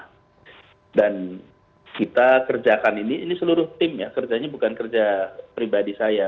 nah dan kita kerjakan ini ini seluruh tim ya kerjanya bukan kerja pribadi saya